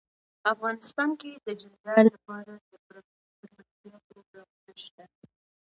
افغانستان کې د جلګه لپاره دپرمختیا پروګرامونه شته.